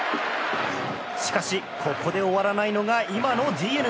しかし、ここで終わらないのが今のＤｅＮＡ。